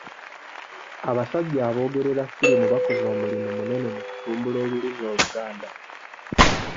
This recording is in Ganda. Abasajja aboogerera firimu bakoze omulimu munene mu kutumbula olulimi Oluganda.